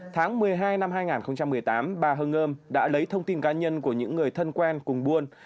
tháng một mươi hai năm hai nghìn một mươi tám bà hơm đã lấy thông tin cá nhân của những người thân quen cùng buôn